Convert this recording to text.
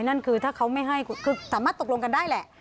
นั่นคือถ้าเขาไม่ให้คือสามารถตกลงกันได้แหละ